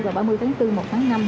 vào ba mươi tháng bốn một tháng năm